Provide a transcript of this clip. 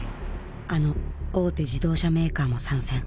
あの大手自動車メーカーも参戦。